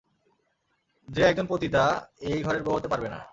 যে একজন পতিতা এই ঘরের বউ হতে পারবে না।